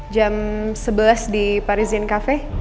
jam sebelas di parizin cafe